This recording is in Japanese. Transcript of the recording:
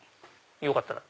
よかったら。